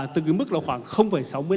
từ cái mức khoảng sáu mươi năm